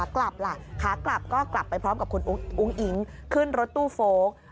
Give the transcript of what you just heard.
กลับล่ะขากลับก็กลับไปพร้อมกับคุณอุ้งอิ๊งขึ้นรถตู้โฟลก